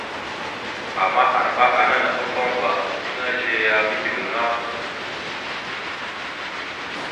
Ama arɓa ana napafaŋva afa eɗeŋa zeya mindəviŋa.